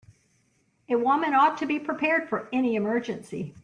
A woman ought to be prepared for any emergency.